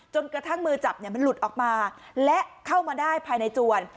กระทั่งมือจับมันหลุดออกมาและเข้ามาได้ภายในจวน